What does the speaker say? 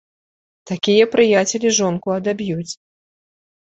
Такія прыяцелі жонку адаб'юць.